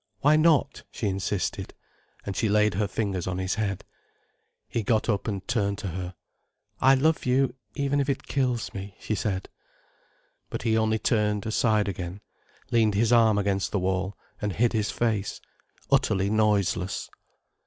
"Why not?" she insisted. And she laid her fingers on his head. He got up and turned to her. "I love you, even if it kills me," she said. But he only turned aside again, leaned his arm against the wall, and hid his face, utterly noiseless.